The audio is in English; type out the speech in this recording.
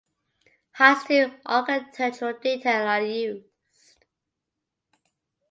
Heights to architectural detail are used.